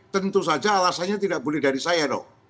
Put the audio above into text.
tentu saja alasannya tidak boleh dari saya dong